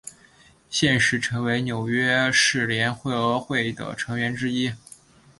现时陈为纽约市联合会的成员之一。